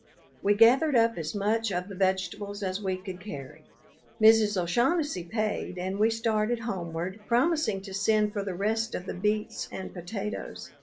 We gathered up as much of the vegetables as we could carry. Mrs. O'Shaughnessy paid, and we started homeward, promising to send for the rest of the beets and potatoes.